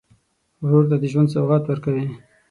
ورور ته د ژوند سوغات ورکوې.